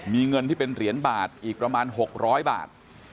มีเงินที่เป็นเหรียญบาทอีกประมาณ๖๐๐บาท